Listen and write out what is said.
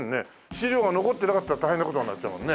資料が残ってなかったら大変な事になっちゃうもんね。